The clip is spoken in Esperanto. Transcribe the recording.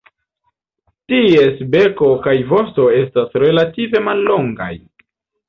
Ties beko kaj vosto estas relative mallongaj.